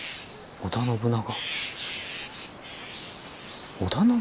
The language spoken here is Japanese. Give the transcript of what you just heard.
織田信長？